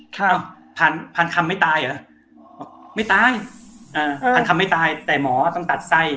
ครับพันพันคำไม่ตายเหรอบอกไม่ตายอ่าพันคำไม่ตายแต่หมอต้องตัดไส้